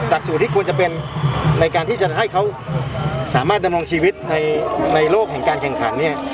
สูตรที่ควรจะเป็นในการที่จะให้เขาสามารถดำรงชีวิตในโลกแห่งการแข่งขันเนี่ย